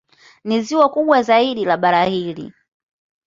Ni ziwa kubwa zaidi la bara hili.